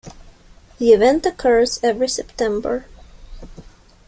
The event occurs every September.